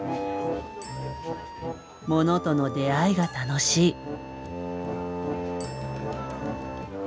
モノとの出会いが楽しい。